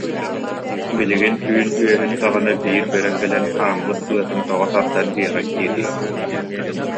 «Билигин түүн үөһүн саҕана биир бөрө кэлэн ааммыт быатын тоҕо тардан дьиэҕэ киириэ